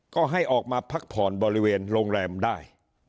ก็ให้ออกมาพักผ่อนบริเวณโรงแรมได้